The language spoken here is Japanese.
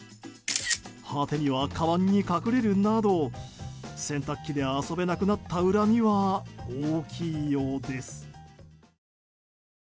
果てには、かばんに隠れるなど洗濯機で遊べなくなった恨みは大きいようです。